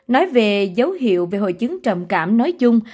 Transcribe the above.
nói về dấu hiệu về hội chứng trầm cảm nói chung